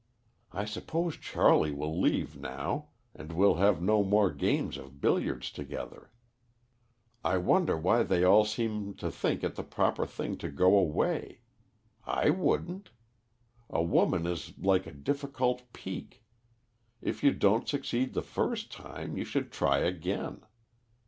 I suppose Charley will leave now, and we'll have no more games of billiards together. I wonder why they all seem to think it the proper thing to go away. I wouldn't. A woman is like a difficult peak if you don't succeed the first time, you should try again.